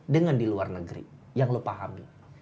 dengan di luar negeri yang lo pahami